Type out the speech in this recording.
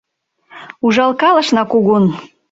Ужалкалышна кугун;